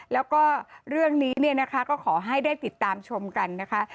แล้วก็เรื่องนี้เนี่ยนะคะก็ขอให้ได้ติดตามชมกันนะคะ